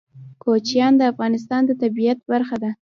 کوچیان د افغانستان د طبیعت برخه ده.